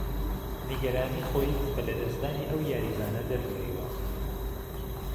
نیگهرانى خۆى به لهدهستدانى ئهو یاریزانه دهربڕیوه